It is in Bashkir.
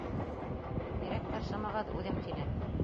Директор, шымығыҙ, үҙем, тине.